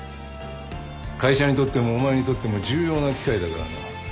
会社にとってもお前にとっても重要な機会だからな。